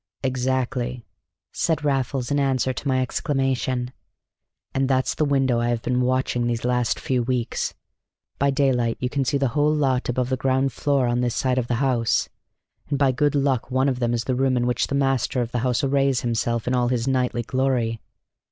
"Exactly!" said Raffles in answer to my exclamation. "And that's the window I have been watching these last few weeks. By daylight you can see the whole lot above the ground floor on this side of the house; and by good luck one of them is the room in which the master of the house arrays himself in all his nightly glory.